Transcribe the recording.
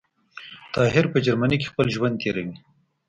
طاهر په جرمنی کي خپل ژوند تیروی